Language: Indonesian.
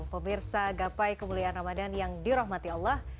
pemirsa gapai kemuliaan ramadan yang dirahmati allah